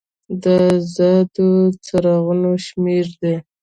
د ازادو څرخونو شمیر دی.